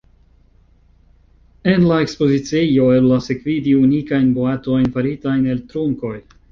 En la ekspoziciejo eblas ekvidi unikajn boatojn, faritajn el trunkoj.